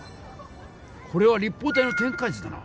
これは立方体の展開図だな。